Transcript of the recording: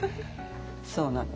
そうなの。